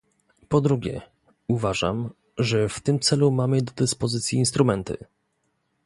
Po drugie, uważam, że w tym celu mamy do dyspozycji instrumenty